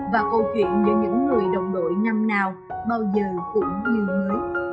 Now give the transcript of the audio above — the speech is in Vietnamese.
và câu chuyện giữa những người đồng đội năm nào bao giờ cũng như mới